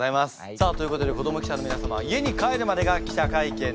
さあということで子ども記者の皆様家に帰るまでが記者会見です。